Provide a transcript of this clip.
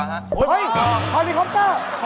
เฮ้ยทรอมมีคอปเตอร์